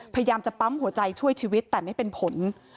พยายามจะปั๊มหัวใจช่วยชีวิตแต่ไม่เป็นผล